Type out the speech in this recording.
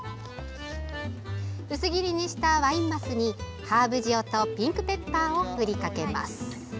薄切りにしたワイン鱒にハーブ塩とピンクペッパーを振りかけます。